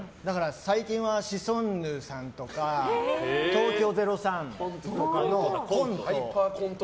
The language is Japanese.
最近はシソンヌさんとか東京０３のコント。